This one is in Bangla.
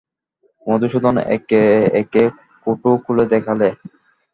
মধুসূদন একে একে কৌটো খুলে দেখালে।